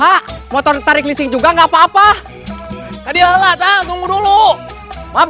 emang kamu house old building di siapa